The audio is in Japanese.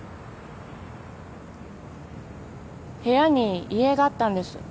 部屋に遺影があったんです。